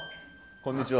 こんにちは。